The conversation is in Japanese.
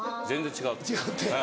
違うって？